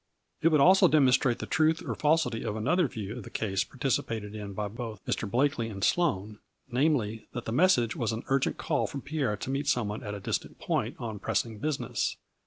It would also demon strate the truth or falsity of another view of the case participated in by both Mr. Blakely and Sloane, namely, that the message was an urgent call for Pierre to meet some one at a distant point on pressing business.